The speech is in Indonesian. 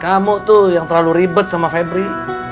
kamu tuh yang terlalu ribet sama febri